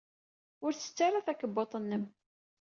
Ur ttettu ara takebbuḍt-nnem.